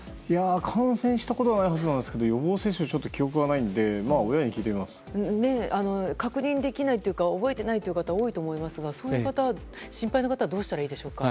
感染したことはないはずなんですが予防接種の記憶はちょっとないので確認できないというか覚えてない方は多いと思いますがそういう方、心配な方はどうすればいいんでしょうか。